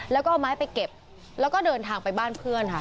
แล้วก็เอาไม้ไปเก็บแล้วก็เดินทางไปบ้านเพื่อนค่ะ